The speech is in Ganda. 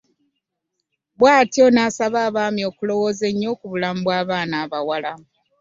Bw'atyo n'asaba abaami okulowooza ennyo ku bulamu bw'abaana abawala.